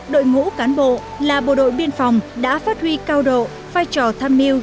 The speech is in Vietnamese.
đội ngũ cán bộ là bộ đội biên phòng đã phát huy cao độ vai trò tham mưu